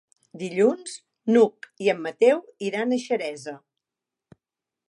Dilluns n'Hug i en Mateu iran a Xeresa.